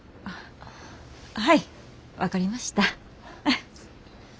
はい分かりました。